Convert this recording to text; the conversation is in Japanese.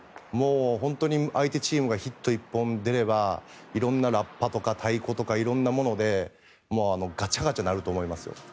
本当に相手チームがヒット１本出ればいろんなラッパとか太鼓とかいろんなものでガチャガチャ鳴ると思います。